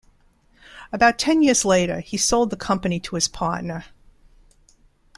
About ten years later, he sold the company to his partner.